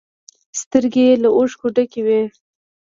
سترگې يې له اوښکو ډکې وې.